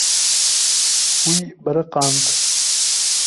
Wî biriqand.